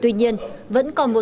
tuy nhiên vẫn còn một số